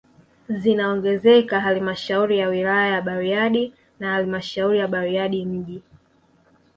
Zinaongezeka halmashauri ya wilaya ya Bariadi na halmashauri ya Bariadi mji